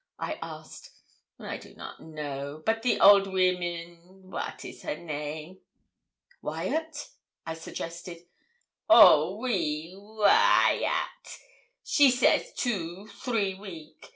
I asked. 'I do not know, but the old women wat is her name?' 'Wyat,' I suggested. 'Oh! oui, Waiatt; she says two, three week.